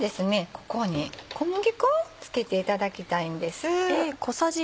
ここに小麦粉を付けていただきたいんです。